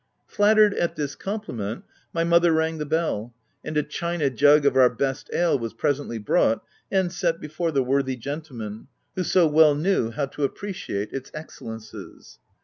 Flattered at this compliment, my mother rang the bell, and a china jug of our best ale was presently brought, and set before the worthy gentleman who so well knew how to appreciate its excellencies.